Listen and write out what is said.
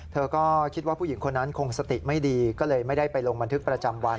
เธอก็คิดว่าผู้หญิงคนนั้นคงสติไม่ดีก็เลยไม่ได้ไปลงบันทึกประจำวัน